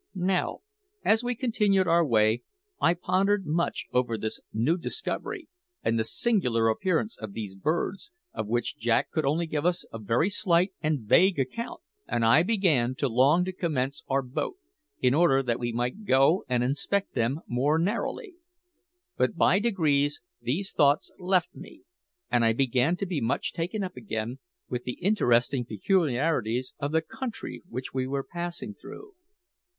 Now, as we continued on our way, I pondered much over this new discovery and the singular appearance of these birds, of which Jack could only give us a very slight and vague account; and I began to long to commence our boat, in order that we might go and inspect them more narrowly. But by degrees these thoughts left me, and I began to be much taken up again with the interesting peculiarities of the country which we were passing through.